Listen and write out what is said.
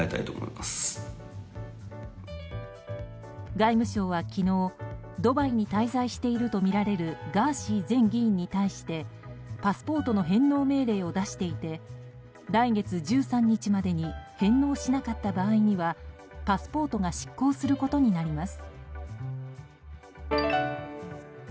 外務省は昨日ドバイに滞在しているとみられるガーシー前議員に対してパスポートの返納命令を出していて来月１３日までに返納しなかった場合にはパスポートが失効することになります。